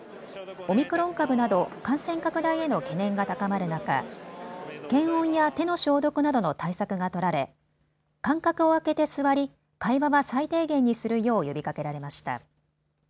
オミクロン株など感染拡大への懸念が高まる中、検温や手の消毒などの対策が取られ間隔を空けて座り会話は最低限にするよう呼びかけられました。